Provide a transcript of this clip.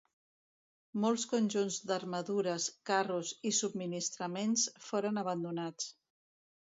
Molts conjunts d'armadures, carros i subministraments foren abandonats.